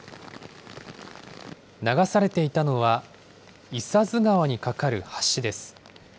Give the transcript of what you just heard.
流されていたのは伊佐津川に架かる橋です。